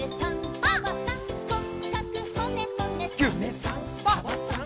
「サメさんサバさん